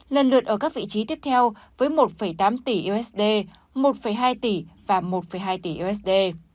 lần lượt ở các vị trí tiếp theo với một tám tỷ usd một hai tỷ và một hai tỷ usd